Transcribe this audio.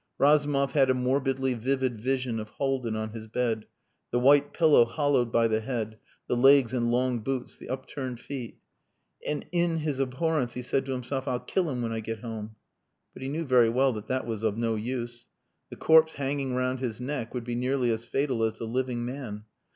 Razumov had a morbidly vivid vision of Haldin on his bed the white pillow hollowed by the head, the legs in long boots, the upturned feet. And in his abhorrence he said to himself, "I'll kill him when I get home." But he knew very well that that was of no use. The corpse hanging round his neck would be nearly as fatal as the living man.